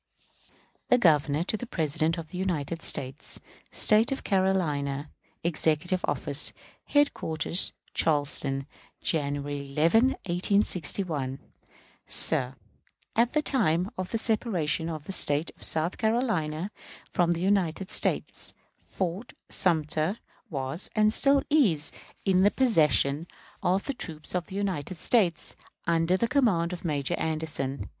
_ The Governor to the President of the United States. State of South Carolina, Executive Office, Headquarters, Charleston, January 11, 1861. Sir: At the time of the separation of the State of South Carolina from the United States, Fort Sumter was, and still is, in the possession of troops of the United States, under the command of Major Anderson.